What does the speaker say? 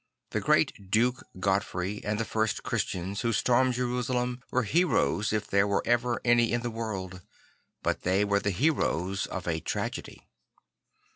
The great Duke Godfrey and the first Christians who stormed Jerusalem were heroes if there were ever any in the world; but they were the heroes of a tragedy.